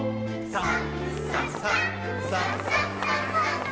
さあ